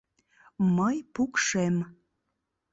Мый пукшем.